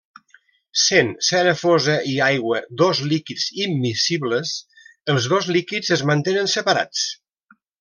Sent cera fosa i aigua dos líquids immiscibles, els dos líquids es mantenen separats.